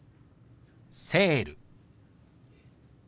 「セール」。